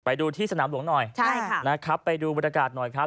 ไปดูที่สนามหลวงหน่อยนะครับไปดูบริษัทหน่อยครับ